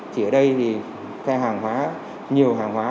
chỉ ở đây thì cái hàng hóa nhiều hàng hóa